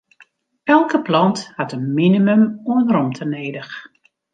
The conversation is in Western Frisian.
Elke plant hat in minimum oan romte nedich.